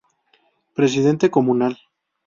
Presidente Comunal.